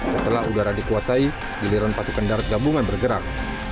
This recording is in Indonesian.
setelah udara dikuasai giliran pasukan darat gabungan bergerak